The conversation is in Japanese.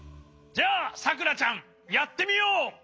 じゃあさくらちゃんやってみよう！